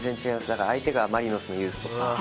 だから相手がマリノスのユースとか。